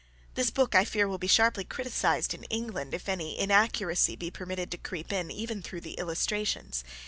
This book, I fear, will be sharply criticised in England if any inaccuracy be permitted to creep in, even through the illustrations.